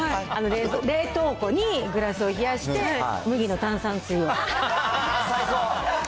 冷凍庫にグラスを冷やして、麦の炭酸水を。